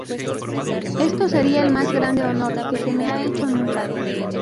Esto sería el más grande honor que se me ha hecho nunca’’.